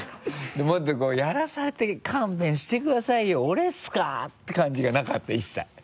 もっとこうやらされてる「勘弁してくださいよ俺っすか？」て感じがなかった一切。